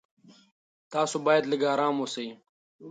تاسو باید لږ ارام اوسئ.